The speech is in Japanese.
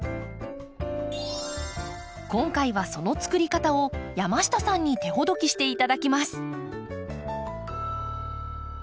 今回はそのつくり方を山下さんに手ほどきして頂きます。